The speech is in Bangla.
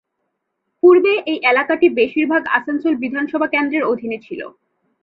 পূর্বে এই এলাকাটি বেশিরভাগ আসানসোল বিধানসভা কেন্দ্রের অধীনে ছিল।